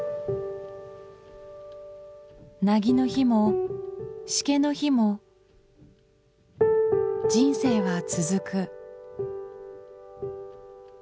なぎの日もしけの日も人生は続く。